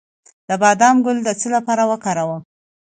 د بادام ګل د څه لپاره وکاروم؟